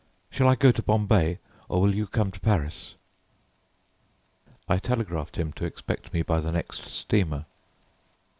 Shall I go to Bombay, or will you come to Paris?" I telegraphed him to expect me by the next steamer.